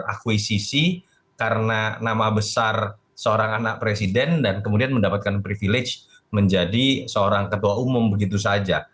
akuisisi karena nama besar seorang anak presiden dan kemudian mendapatkan privilege menjadi seorang ketua umum begitu saja